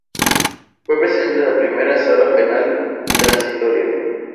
Fue presidente de la Primera Sala Penal Transitoria.